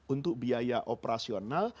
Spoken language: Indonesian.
untuk biaya operasional